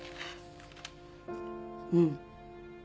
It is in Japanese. うん。